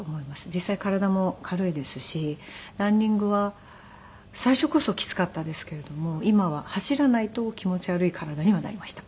実際体も軽いですしランニングは最初こそきつかったですけれども今は走らないと気持ち悪い体にはなりました。